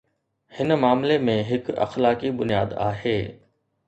هن معاملي ۾ هڪ اخلاقي بنياد آهي.